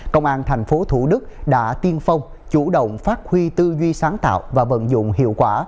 công an thành phố thủ đức đã tiên phong chủ động phát huy tư duy sáng tạo và vận dụng hiệu quả